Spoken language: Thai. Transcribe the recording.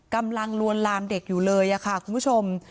ลวนลามเด็กอยู่เลยค่ะคุณผู้ชม